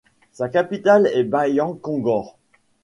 Sa capitale est Bayankhongor.